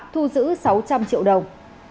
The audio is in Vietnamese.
thu giữ sáu trăm linh triệu đồng